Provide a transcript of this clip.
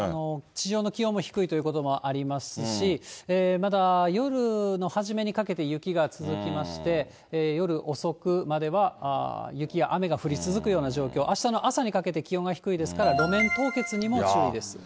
まだ、夜のはじめにかけて雪が続きまして、夜遅くまでは雪や雨が降り続くような状況、あしたの朝にかけて気温が低いですから、路面凍結にも注意です。